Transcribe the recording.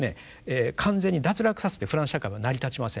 完全に脱落させてフランス社会は成り立ちません。